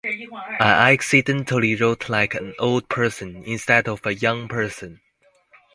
I accidentally wrote like an old person instead of a young person.